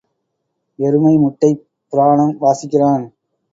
எருமை முட்டைப் புராணம் வாசிக்கிறான்.